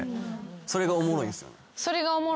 それがおもろいんや。